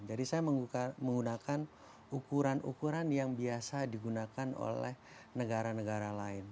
jadi saya menggunakan ukuran ukuran yang biasa digunakan oleh negara negara lain